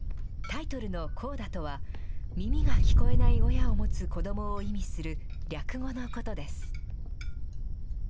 タイトルのコーダとは、耳が聞こえない親を持つ子どもを意味する略語のことです。